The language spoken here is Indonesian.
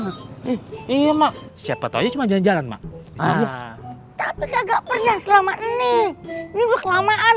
hai iya mak siapa tahu cuma jangan jalan mak tapi nggak pernah selama ini ini kelamaan